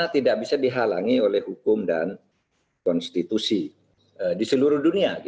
tidak bisa dihalangi oleh hukum dan konstitusi di seluruh dunia